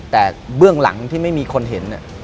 แต่เบื้องหลังที่ไม่มีคนเห็น